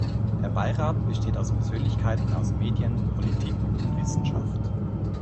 Der Beirat besteht aus Persönlichkeiten aus Medien, Politik und Wissenschaft.